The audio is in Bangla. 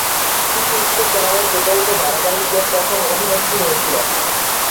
তিনি উক্ত চ্যানেলের প্রচারিত ধারাবাহিকের প্রথম অভিনেত্রী হয়েছিলেন।